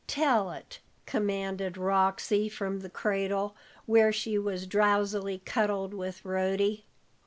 Tell it," commanded Roxy, from the cradle, where she was drowsily cuddled with Rhody.